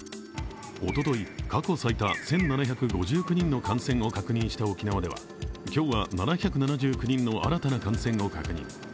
おととい、過去最多１７５９人の感染を確認した沖縄では今日は７７９人の新たな感染を確認。